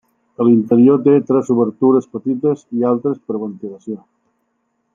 A l'interior té tres obertures petites i altes -per ventilació-.